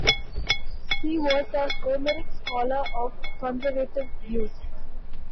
He was a Homeric scholar of conservative views.